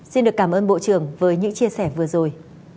xin được cảm ơn bộ trưởng với những chia sẻ vừa rồi